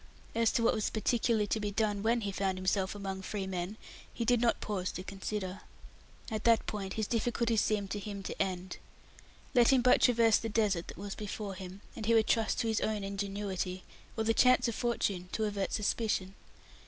As to what was particularly to be done when he found himself among free men, he did not pause to consider. At that point his difficulties seemed to him to end. Let him but traverse the desert that was before him, and he would trust to his own ingenuity, or the chance of fortune, to avert suspicion.